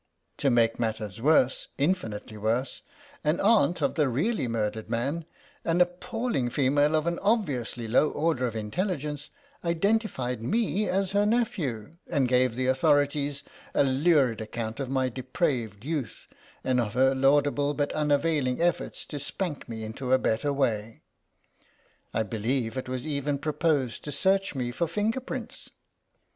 To make matters worse, infinitely worse, an aunt of the really murdered man, an appalling female of an obviously low order of intelligence, identified me as her nephew, and gave the authorities a lurid account of my depraved youth and of her laudable but unavailing efforts to spank me into a better way. I believe it was even proposed to search me for finger prints."